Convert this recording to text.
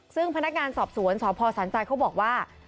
ซึ่งพนักงานสอบสวนสพสันใจเขาบอกว่า